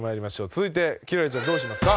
続いて輝星ちゃんどうしますか？